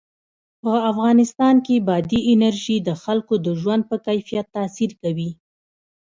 په افغانستان کې بادي انرژي د خلکو د ژوند په کیفیت تاثیر کوي.